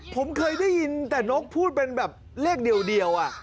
ผมเคยได้ยินแต่นกพูดเป็นแบบเลขเดียว